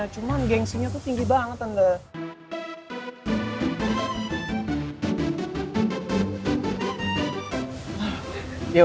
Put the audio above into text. cuman gengsenya tuh tinggi banget tante